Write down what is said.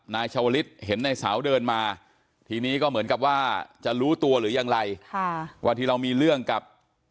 นายชาวลิศเห็นนายสาวเดินมาทีนี้ก็เหมือนกับว่าจะรู้ตัวหรือยังไรค่ะว่าที่เรามีเรื่องกับ